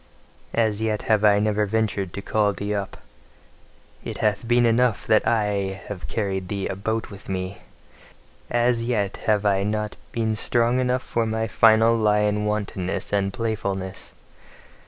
As yet have I never ventured to call thee UP; it hath been enough that I have carried thee about with me! As yet have I not been strong enough for my final lion wantonness and playfulness.